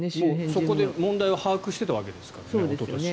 そこで問題は把握していたわけですからね。